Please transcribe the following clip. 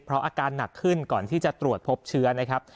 เพราะอาการหนักขึ้นก่อนที่จะตรวจพบเชื้อนะครับ